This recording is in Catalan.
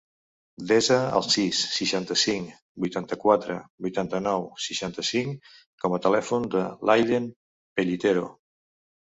Desa el sis, seixanta-cinc, vuitanta-quatre, vuitanta-nou, seixanta-cinc com a telèfon de l'Aylen Pellitero.